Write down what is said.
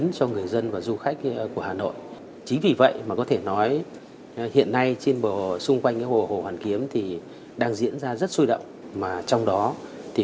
trong thời gian buổi qua không gian đi bộ hồ hoàn kiếm đã diễn ra rất là sôi động